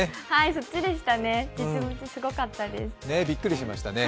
そっちでしたね。